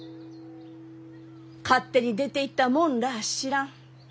勝手に出ていった者らあ知らん。